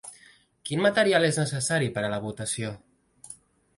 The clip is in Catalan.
Quin material és necessari per a la votació?